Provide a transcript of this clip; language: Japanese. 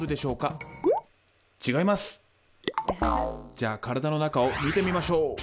じゃあ体の中を見てみましょう。